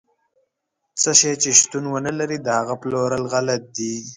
څه شی چې شتون ونه لري، د هغه پلورل غلط دي.